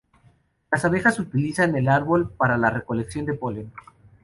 Las abejas utilizan el árbol para la recolección de polen.